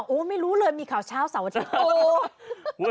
โอ้ไม่รู้เลยมีข่าวเช้าสวัสดิ์โอ้